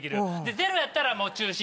ゼロやったら中止！